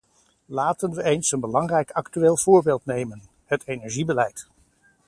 Laten we eens een belangrijk actueel voorbeeld nemen: het energiebeleid.